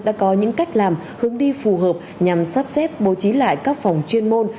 đã có những cách làm hướng đi phù hợp nhằm sắp xếp bố trí lại các phòng chuyên môn